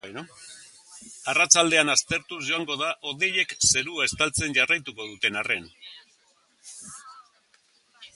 Arratsaldean atertuz joango da, hodeiek zerua estaltzen jarraituko duten arren.